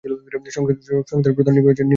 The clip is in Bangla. সংস্থার প্রধান হচ্ছেন নির্বাহী পরিচালক।